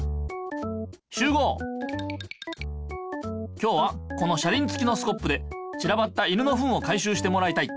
今日はこの車りんつきのスコップでちらばった犬のフンを回しゅうしてもらいたい。